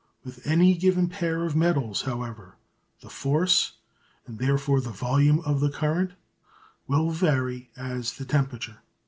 With any given pair of metals, however, the force, and therefore the volume of current, will vary as the temperature.